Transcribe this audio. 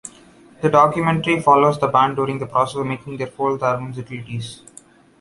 The documentary follows the band during the process of making their fourth album "Zitilites".